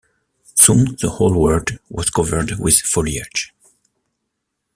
Soon the whole world was covered with foliage.